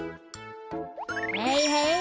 はいはい。